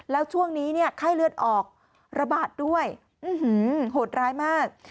แล้วช่วงนี้เนี่ยไข้เลือดออกระบาดด้วยโหดร้ายมาก